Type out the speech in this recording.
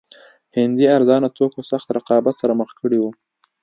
هندي ارزانه توکو سخت رقابت سره مخ کړي وو.